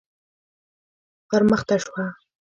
_ور مخته شه.